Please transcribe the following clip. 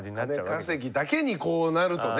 金稼ぎだけにこうなるとね。